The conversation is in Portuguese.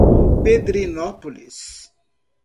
Pedrinópolis